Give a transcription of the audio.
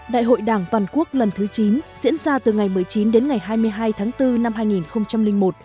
đại hội đảng toàn quốc lần thứ chín diễn ra từ ngày một mươi chín đến ngày hai mươi hai tháng bốn năm hai nghìn một